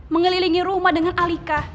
mengelilingi rumah dengan alika